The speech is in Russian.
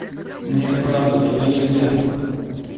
— Нет, правда. Туда нельзя.